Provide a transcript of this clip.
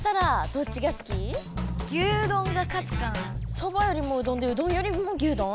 そばよりもうどんでうどんよりもぎゅうどん？